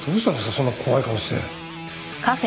そんな怖い顔して。